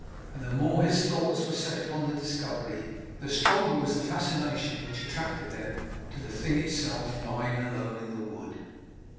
And the more his thoughts were set upon the discovery, the stronger was the fascination which attracted them to the thing itself; lying alone in the wood.